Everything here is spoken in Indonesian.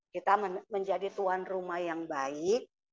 kita menjadi tuan rumah yang baik